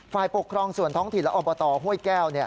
ฝ่ายปกครองส่วนท้องถิ่นและอบตห้วยแก้ว